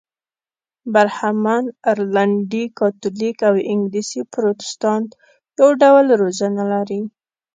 برهمن، ارلنډي کاتولیک او انګلیسي پروتستانت یو ډول روزنه لري.